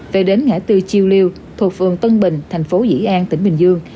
về đến ngã tư chiêu liêu thuộc phường tân bình thành phố dĩ an tỉnh bình dương